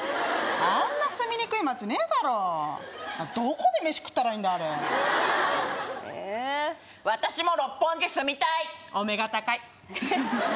あんな住みにくい街ねえだろどこで飯食ったらいいんだあれええー私も六本木住みたいお目が高いえっ